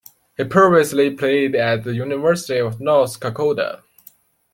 He previously played at the University of North Dakota.